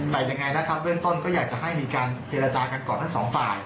แต่ยังไงนะครับเบื้องต้นก็อยากจะให้มีการเจรจากันก่อนทั้งสองฝ่าย